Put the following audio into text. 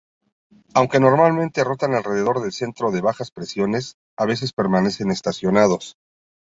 Aunque normalmente rotan alrededor del centro de bajas presiones, a veces permanecen estacionarios.